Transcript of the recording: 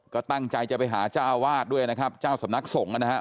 ก็ตั้งใจจะไปหาเจ้าวาดด้วยนะครับเจ้าสำนักสงฆ์นะครับ